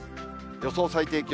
予想最低気温。